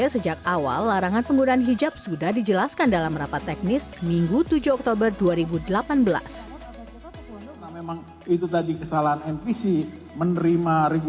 sejak awal larangan penggunaan hijab sudah dijelaskan dalam rapat teknis minggu tujuh oktober dua ribu delapan belas